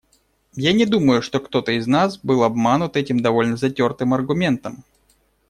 Я не думаю, чтобы кто-то из нас был обманут этим довольно затертым аргументом.